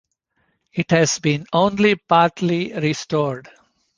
It has been only partly restored.